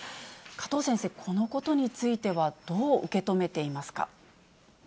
加藤先生、このことについては、どう受け止めていますか。